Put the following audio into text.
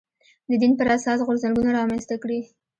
د دین پر اساس غورځنګونه رامنځته کړي